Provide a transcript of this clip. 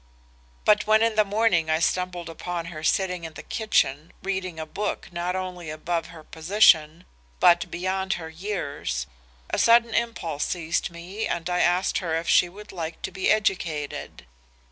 "But when in the morning I stumbled upon her sitting in the kitchen reading a book not only above her position but beyond her years, a sudden impulse seized me and I asked her if she would like to be educated.